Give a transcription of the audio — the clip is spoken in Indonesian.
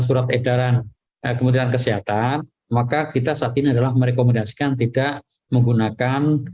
surat edaran kementerian kesehatan maka kita saat ini adalah merekomendasikan tidak menggunakan